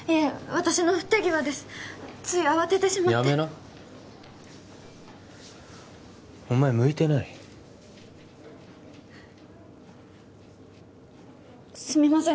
私の不手際ですつい慌ててしまって辞めなお前向いてないすみません